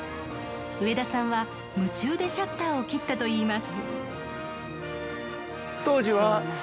上田さんは夢中でシャッターを切ったと言います。